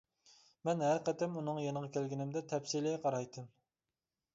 مەن ھەر قېتىم ئۇنىڭ يېنىغا كەلگىنىمدە تەپسىلىي قارايتتىم.